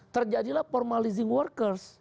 terjadilah formalizing workers